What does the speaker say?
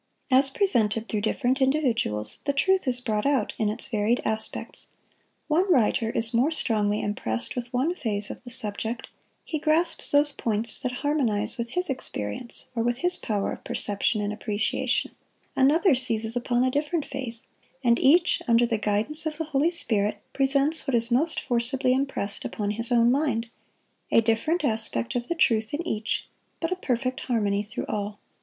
As presented through different individuals, the truth is brought out in its varied aspects. One writer is more strongly impressed with one phase of the subject; he grasps those points that harmonize with his experience or with his power of perception and appreciation; another seizes upon a different phase; and each, under the guidance of the Holy Spirit, presents what is most forcibly impressed upon his own mind—a different aspect of the truth in each, but a perfect harmony through all.